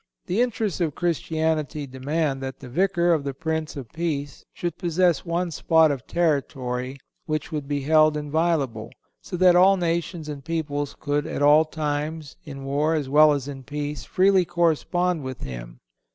The interests of Christianity demand that the Vicar of the Prince of Peace should possess one spot of territory which would be held inviolable, so that all nations and peoples could at all times, in war, as well as in peace, freely correspond with him.